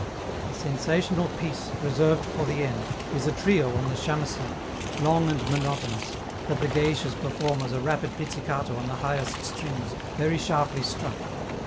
The sensational piece, reserved for the end, is a trio on the 'chamecen', long and monotonous, that the geishas perform as a rapid pizzicato on the highest strings, very sharply struck.